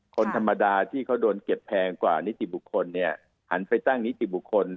คนธรรมดาที่เขาโดนเก็บแพงกว่านิติบุคคลเนี่ยหันไปตั้งนิติบุคคล